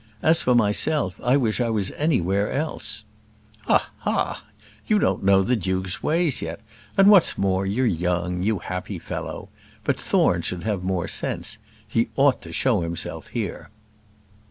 As for myself, I wish I was anywhere else." "Ha! ha! ha! You don't know the duke's ways yet; and what's more, you're young, you happy fellow! But Thorne should have more sense; he ought to show himself here."